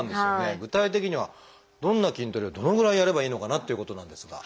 具体的にはどんな筋トレをどのぐらいやればいいのかなっていうことなんですが。